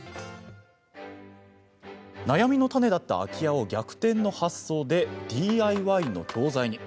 悩みの種だった空き家を逆転の発想でＤＩＹの教材に。